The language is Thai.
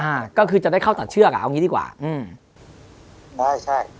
อ่าก็คือจะได้เข้าตัดเชือกอะเอาอย่างงี้ดีกว่าอืม